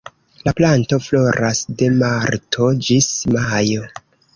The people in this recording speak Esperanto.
La planto floras de marto ĝis majo.